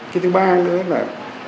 cái thứ ba nữa là